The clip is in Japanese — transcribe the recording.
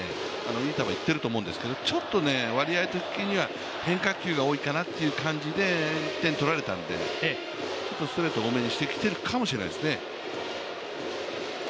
いい球いっていると思うんですけど、ちょっと割合的には変化球が多いかなという感じで１点取られたのでストレート多めにしてきているのかもしれないですね。